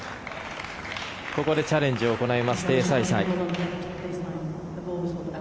ここでチャレンジを行いますテイ・サイサイ。